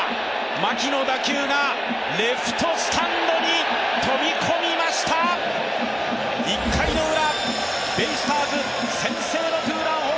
牧の打球がレフトスタンドに飛び込みました１回のウラ、ベイスターズが先制のツーラン。